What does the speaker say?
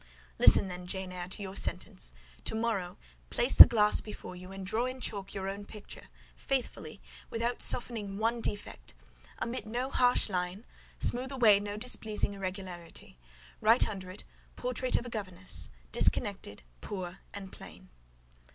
"Listen, then, Jane Eyre, to your sentence: to morrow, place the glass before you, and draw in chalk your own picture, faithfully, without softening one defect; omit no harsh line, smooth away no displeasing irregularity; write under it, 'Portrait of a Governess, disconnected, poor, and plain.